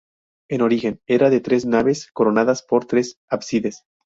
En origen, era de tres naves coronadas por tres ábsides.